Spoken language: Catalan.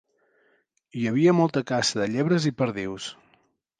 Hi havia molta caça de llebres i perdius.